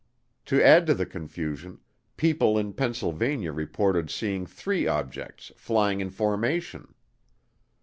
To add to the confusion, people in Pennsylvania reported seeing three objects "flying in formation."